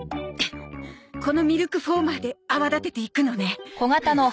このミルクフォーマーで泡立てていくのね。